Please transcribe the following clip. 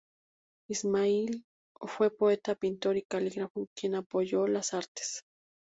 Ismail fue poeta, pintor y calígrafo, quien apoyó las artes.